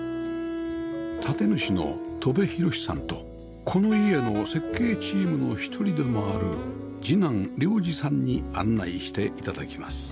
建主の戸邉寛さんとこの家の設計チームの一人でもある次男亮司さんに案内して頂きます